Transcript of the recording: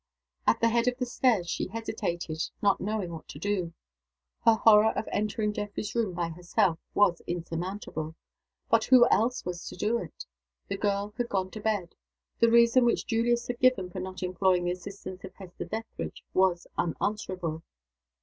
At the head of the stairs she hesitated not knowing what to do. Her horror of entering Geoffrey's room, by herself, was insurmountable. But who else was to do it? The girl had gone to bed. The reason which Julius had given for not employing the assistance of Hester Dethridge was unanswerable.